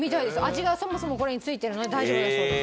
味がそもそもこれに付いてるので大丈夫だそうです。